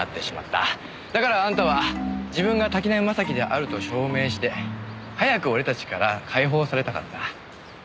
だからあんたは自分が滝浪正輝であると証明して早く俺たちから解放されたかった。